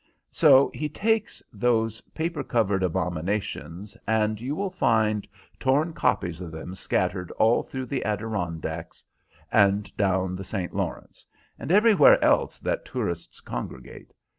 So he takes those paper covered abominations, and you will find torn copies of them scattered all through the Adirondacks, and down the St. Lawrence, and everywhere else that tourists congregate.